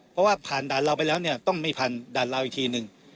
เพราะว่าผ่านด่านเราไปแล้วเนี่ยต้องไม่ผ่านด่านลาวอีกทีหนึ่ง